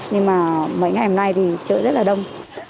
nhưng mà mấy ngày hôm nay thì chợ rất là đông